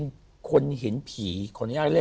โปรดติดตามต่อไป